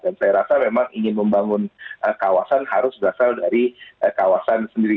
dan saya rasa memang ingin membangun kawasan harus berasal dari kawasan sendiri